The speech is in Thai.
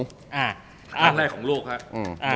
ครั้งแรกของโลกครับ